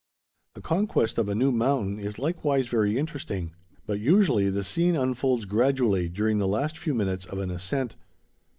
The conquest of a new mountain is likewise very interesting, but usually the scene unfolds gradually during the last few minutes of an ascent.